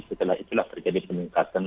setelah itulah terjadi peningkatan